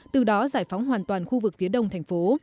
từ đó giải phóng hoàn toàn khu vực phía đông thành phố